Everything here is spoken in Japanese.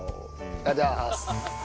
ありがとうございます。